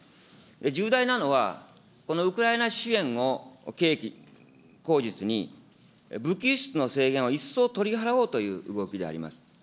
重大なのは、このウクライナ支援を契機に、口実に、武器輸出の制限を一層取り払おうという動きであります。